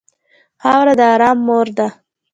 خاوره د ارام مور ده.